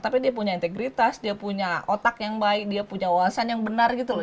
tapi dia punya integritas dia punya otak yang baik dia punya wawasan yang benar gitu loh